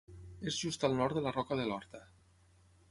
És just al nord de la Roca de l'Horta.